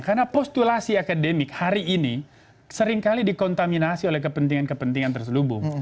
karena postulasi akademik hari ini seringkali dikontaminasi oleh kepentingan kepentingan terselubung